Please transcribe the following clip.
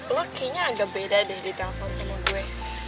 lo kayaknya agak beda deh di telpon sama gue